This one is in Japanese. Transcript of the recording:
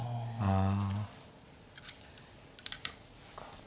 ああ。